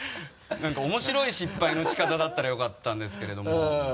何か面白い失敗の仕方だったらよかったんですけれども。